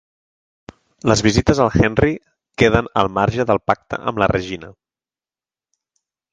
Les visites al Henry queden al marge del pacte amb la Regina.